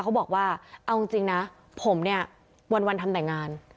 เขาบอกว่าเอาจริงนะผมเนี่ยวันทำแต่งงาน